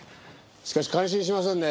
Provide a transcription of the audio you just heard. しかし感心しませんね。